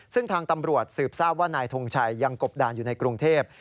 ซึ่งทางตำรวจสืบทราบว่านายทงชัยยังกบดานอยู่ในกรุงเทพ